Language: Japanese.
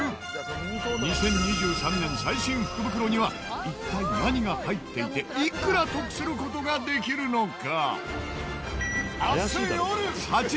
２０２３年最新福袋には一体何が入っていていくら得する事ができるのか？